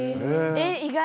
えっ意外！